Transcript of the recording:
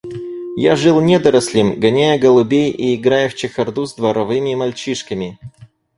Я жил недорослем, гоняя голубей и играя в чехарду с дворовыми мальчишками.